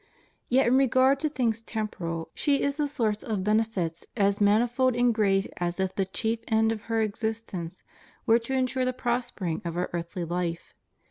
Yet in regard to things temporal she is the source of benefits as manifold and great as if the chief end of her existence were to ensure the prospering of our earthly life.